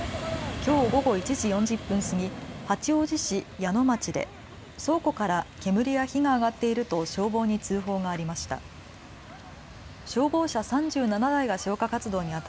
きょう午後１時４０分過ぎ、八王子市谷野町で倉庫から煙や火が上がっていると消防に通報がありました。